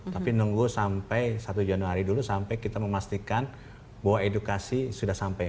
tapi nunggu sampai satu januari dulu sampai kita memastikan bahwa edukasi sudah sampai